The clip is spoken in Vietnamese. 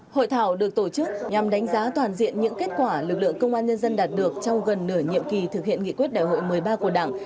hội thảo được tổ chức nhằm đánh giá toàn diện những kết quả lực lượng công an nhân dân đạt được trong gần nửa nhiệm kỳ thực hiện nghị quyết đại hội một mươi ba của đảng